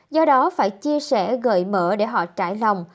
do đó phải chia sẻ gợi mở để họ trải lòng